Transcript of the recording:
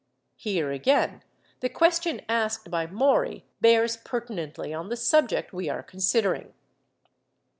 Here, again, the question asked by Maury bears pertinently on the subject we are considering.